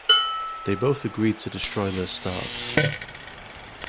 They both agreed to destroy their stars.